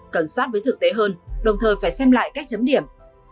cần sát với thực tế hơn đồng thời phải xem lại cách chấm điểm